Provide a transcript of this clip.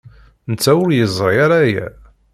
Netta ur yeẓri ara aya.